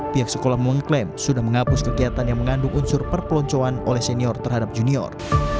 pihak sekolah mengklaim sudah menghapus kegiatan yang mengandung unsur perpeloncoan oleh senior terhadap junior